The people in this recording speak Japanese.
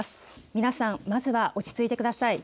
皆さんまずは落ち着いてください。